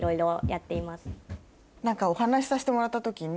お話しさせてもらった時に。